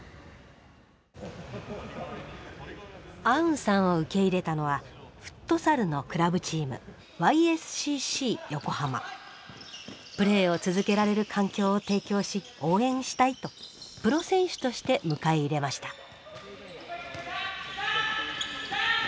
アウンさんを受け入れたのはフットサルのクラブチームプレーを続けられる環境を提供し応援したいとプロ選手として迎え入れました。